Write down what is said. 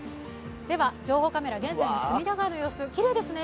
では情報カメラ、現在の隅田川の様子、きれいですね。